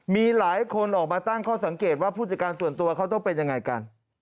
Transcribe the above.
มีหลายคนออกมาตั้งข้อสังเกตว่าผู้จัดการส่วนตัวเขาต้องเป็นยังไงกัน